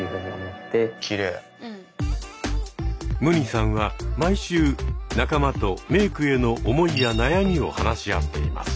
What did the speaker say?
ＭＵＮＩさんは毎週仲間とメークへの思いや悩みを話し合っています。